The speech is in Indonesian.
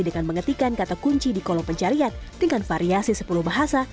dengan mengetikan kata kunci di kolom pencarian dengan variasi sepuluh bahasa